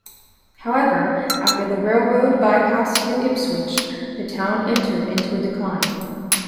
However, after the railroad bypassed New Ipswich, the town entered into a decline.